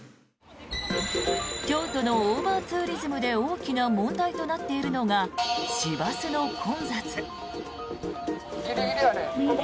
京都のオーバーツーリズムで大きな問題となっているのが市バスの混雑。